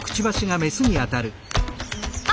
あ！